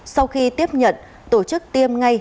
sau khi tiếp nhận tổ chức tiêm ngay